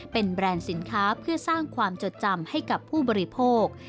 เป็นแบรนด์สินค้าเพื่อสร้างความจดจำให้กับผู้บริโภค